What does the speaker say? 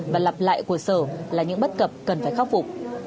và lặp lại của sở là những bất cập cần phải khắc phục